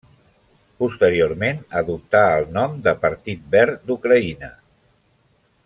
Posteriorment adoptà el nom de Partit Verd d'Ucraïna.